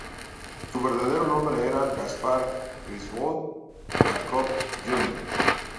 Su verdadero nombre era Gaspar Griswold Bacon, Jr.